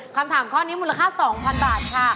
คำถามข้อนี้มูลค่า๒๐๐๐บาทค่ะ